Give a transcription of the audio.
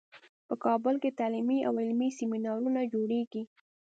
په کابل کې تعلیمي او علمي سیمینارونو جوړیږي